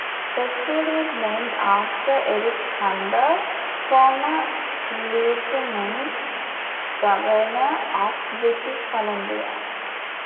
The school is named after Eric Hamber, former Lieutenant Governor of British Columbia.